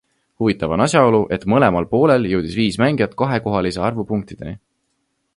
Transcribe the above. Huvitav on asjaolu, et mõlemal poolel jõudis viis mängijat kahekohalise arvu punktideni.